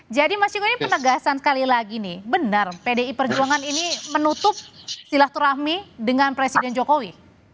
jadi mas jiko ini penegasan sekali lagi nih benar pdi perjuangan ini menutup silaturahmi dengan presiden jokowi